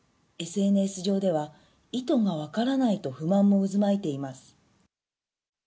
ＳＮＳ上では、意図が分からないと不満も渦巻いています。